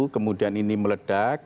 kemudian ini meledak